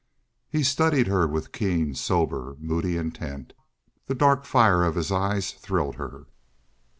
He studied her with keen, sober, moody intent. The dark fire of his eyes thrilled her.